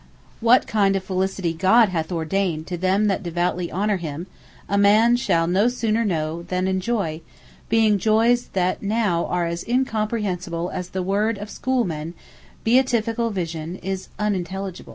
What kind of Felicity God hath ordained to them that devoutly honour him, a man shall no sooner know, than enjoy; being joys, that now are as incomprehensible, as the word of School men, Beatifical Vision, is unintelligible.